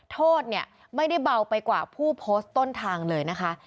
โทษเนี่ยไม่ได้เบาไปกว่าผู้โพสต์ต้นทางเลยนะคะ